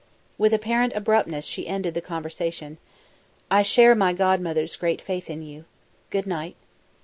With apparent abruptness she ended the conversation: "I share my godmother's great faith in you. Good night."